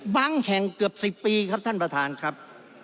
แห่งเกือบ๑๐ปีครับท่านประธานครับ